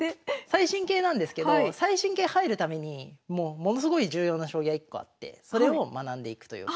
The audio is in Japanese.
最新形なんですけど最新形入るためにものすごい重要な将棋が一個あってそれを学んでいくという。